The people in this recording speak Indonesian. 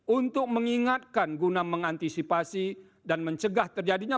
untuk mengingatkan guna mengantisipasi dan mencegah terjadinya